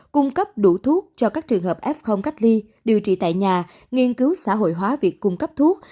cung cấp đủ thuốc cho các trường hợp f cách ly điều trị tại nhà nghiên cứu xã hội hóa việc cung cấp thuốc